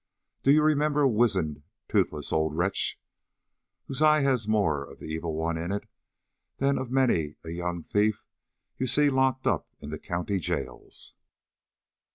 "Do you remember a wizen, toothless old wretch, whose eye has more of the Evil One in it than that of many a young thief you see locked up in the county jails?"